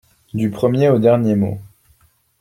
Du premier au dernier mot.